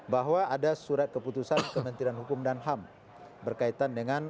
bahwa ada surat keputusan kementerian hukum dan ham berkaitan dengan